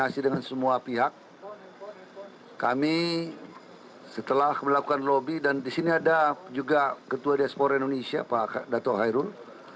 saya juga ketua diaspora indonesia pak dato' hairul